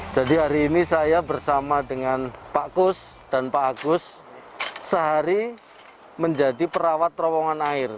hari ini saya bersama dengan pak kus dan pak agus sehari menjadi perawat terowongan air